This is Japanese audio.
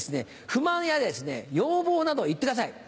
不満や要望などを言ってください。